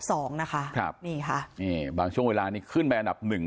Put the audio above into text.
สองนะคะครับนี่ค่ะนี่บางช่วงเวลานี้ขึ้นไปอันดับหนึ่ง